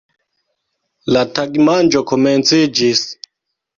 La tagmanĝo komenciĝis.